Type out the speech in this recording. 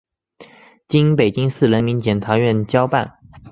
经北京市人民检察院交办